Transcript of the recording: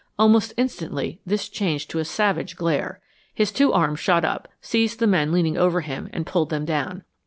Almost instantly this changed to a savage glare. His two arms shot up, seized the men leaning over him and pulled them down.